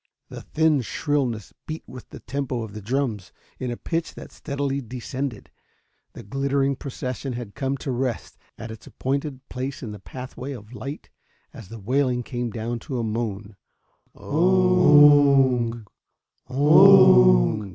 The thin shrillness beat with the tempo of the drums in a pitch that steadily descended. The glittering procession had come to rest at its appointed place in the pathway, of light as the wailing came down to a moan. "_Oong! Oong!